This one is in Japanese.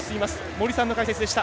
森さんの解説でした。